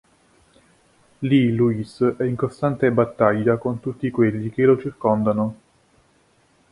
Lì Louis è in costante battaglia con tutti quelli che lo circondano.